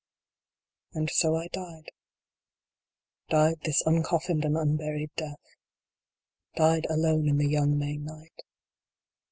And so I died. Died this uncoffined and unburied Death. Died alone in the young May night.